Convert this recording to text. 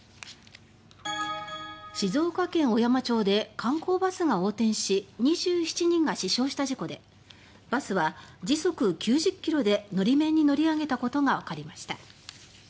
静岡県小山町で観光バスが横転し２７人が死傷した事故でバスは時速９０キロでのり面に乗り上げたことがわかりました。